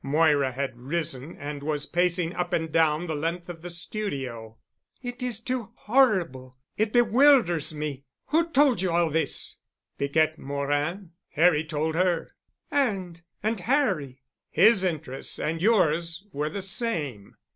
Moira had risen and was pacing up and down the length of the studio. "It is too horrible—it bewilders me. Who told you all this?" "Piquette Morin—Harry told her." "And—and Harry—?" "His interests and yours were the same."